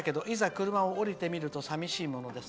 車を降りてみると寂しいものです。